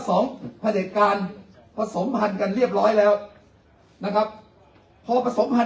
พระเด็จการผสมพันธุ์กันเรียบร้อยแล้วนะครับพอผสมพันธ